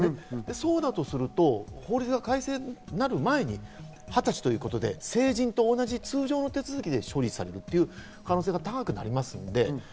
そうだとすると、法律が改正になる前に２０歳ということで成人と同じ通常の手続きで処理される可能性が高くなります。